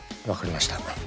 わかりました。